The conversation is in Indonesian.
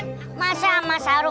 nggak ada yang bisa dikepung